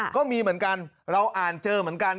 ก็มีเหมือนกันเราอ่านเจอเหมือนกัน